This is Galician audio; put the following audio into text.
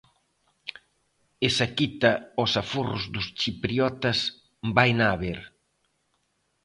Esa quita aos aforros dos chipriotas vaina haber.